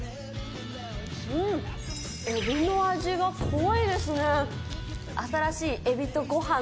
うん、えびの味が濃いですね。